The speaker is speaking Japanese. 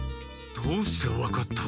どうして分かった？